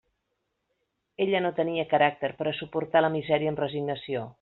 Ella no tenia caràcter per a suportar la misèria amb resignació.